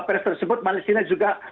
pers tersebut palestina juga